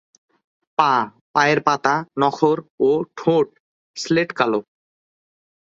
পা, পায়ের পাতা, নখর ও ঠোঁট স্লেট-কালো।